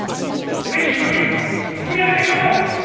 ぜひ一緒に作り上げていきましょう！